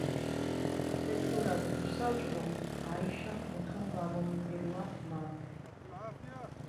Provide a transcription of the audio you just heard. თეჯგურა გურსაჭვო აიშახ მუთუნ ვამომიძირუაფჷ მა.